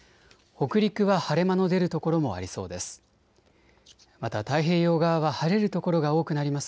北陸は晴れ間の出る所もありそうです。